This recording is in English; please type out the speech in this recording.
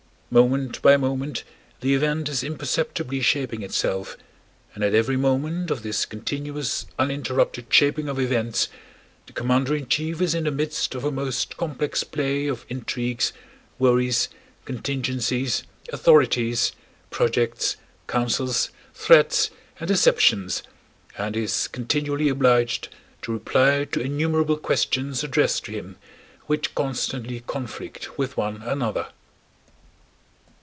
Moment by moment the event is imperceptibly shaping itself, and at every moment of this continuous, uninterrupted shaping of events the commander in chief is in the midst of a most complex play of intrigues, worries, contingencies, authorities, projects, counsels, threats, and deceptions and is continually obliged to reply to innumerable questions addressed to him, which constantly conflict with one another.